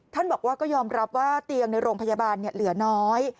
บอกว่าก็ยอมรับว่าเตียงในโรงพยาบาลเหลือน้อย